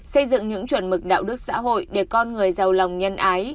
xây dựng những chuẩn mực đạo đức xã hội để con người giàu lòng nhân ái